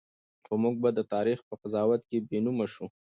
خو موږ به د تاریخ په قضاوت کې بېنومه شو.